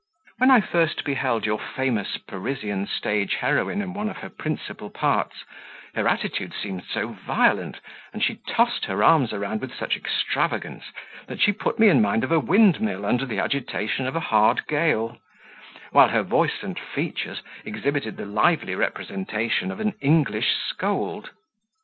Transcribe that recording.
"When I first beheld your famous Parisian stage heroine in one of her principal parts, her attitudes seemed so violent, and she tossed her arms around with such extravagance, that she put me in mind of a windmill under the agitation of a hard gale; while her voice and features exhibited the lively representation of an English scold.